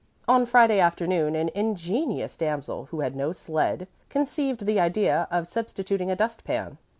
On Friday afternoon an ingenious damsel who had no sled conceived the idea of substituting a dust pan.